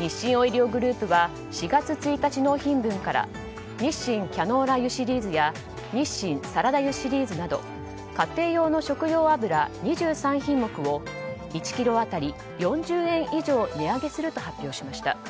日清オイリオグループは４月１日納品分から日清キャノーラ油シリーズや日清サラダ油シリーズなど家庭用の食用油２３品目を１ｋｇ当たり４０円以上値上げすると発表しました。